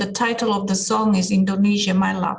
dan titel lagu adalah indonesia my love